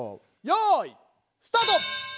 よいスタート！